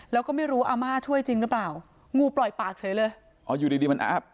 แล้วก็ไม่รู้อาม่าช่วยจริงหรือเปล่างูปล่อยปากเฉยเลยอ๋ออยู่ดีดีมันอัพ